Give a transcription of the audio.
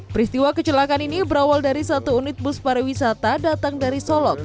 peristiwa kecelakaan ini berawal dari satu unit bus pariwisata datang dari solok